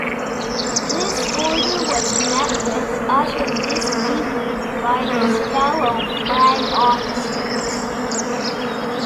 This order was met with utter disbelief by his fellow flag officers.